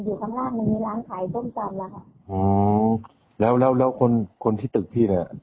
อยู่ข้างล่างมันมีร้านขายส้มตำแล้วค่ะอ๋อแล้วแล้วคนคนที่ตึกพี่เนี้ย